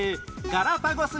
ガラパゴス。